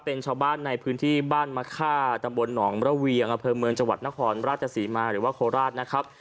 เป็นชาวบ้านในพื้นที่บ้านมะค่าตำบลหนองระเวียงอำเภอเมืองจังหวัดนครราชศรีมาหรือว่าโคราชนะครับ